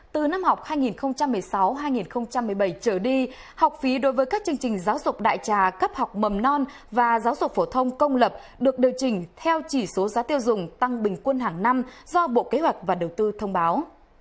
từ năm học hai nghìn một mươi sáu hai nghìn một mươi bảy trở đi học phí đối với các chương trình giáo dục đại trà cấp học mầm non và giáo dục phổ thông công lập được điều chỉnh theo chỉ số giá tiêu dùng tăng bình quân hàng năm do bộ kế hoạch và đầu tư thông báo